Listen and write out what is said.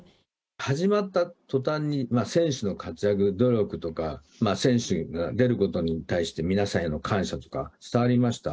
始まったとたんに、選手の活躍、努力とか、選手が出ることに対して皆さんへの感謝とか伝わりました。